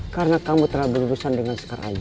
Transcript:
karena kamu telah berurusan dengan sekaranyo